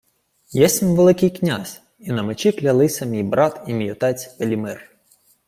— Єсмь Великий князь, і на мечі клялися мій брат і мій отець Велімир!